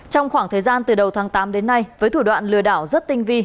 trong khoảng thời gian từ đầu tháng tám đến nay với thủ đoạn lừa đảo rất tinh vi